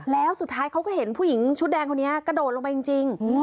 แล้วสุดท้ายเขาก็เห็นผู้หญิงชุดแดงคนนี้กระโดดลงไปจริง